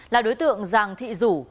là đối tượng giàng thị dũ